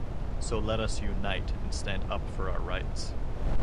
So let us unite and stand up for our rights.